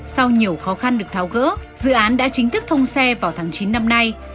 sau nhiều khó khăn được tháo gỡ dự án đã chính thức thông xe vào tháng chín năm nay